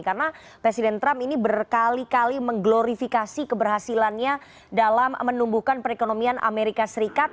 karena presiden trump ini berkali kali mengglorifikasi keberhasilannya dalam menumbuhkan perekonomian amerika serikat